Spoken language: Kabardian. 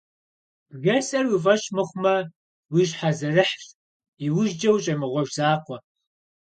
БжесӀэр уи фӀэщ мыхъумэ, уи щхьэ зэрыхьщ, иужькӀэ ущӀемыгъуэж закъуэ.